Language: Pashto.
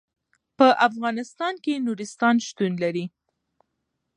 په افغانستان کې نورستان شتون لري.